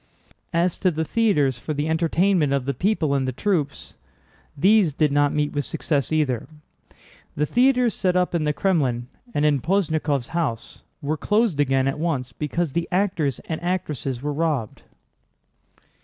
As to the theaters for the entertainment of the people and the troops, these did not meet with success either. The theaters set up in the Krémlin and in Posnyákov's house were closed again at once because the actors and actresses were robbed.